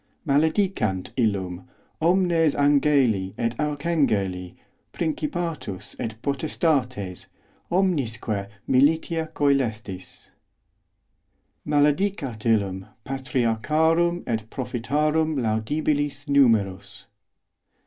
Maledicant illum omnes angeli et archangeli, principatus et potestates, omnisque militia cœlestis. os Maledicat illum patriarcharum et prophetarum laudabilis numerus.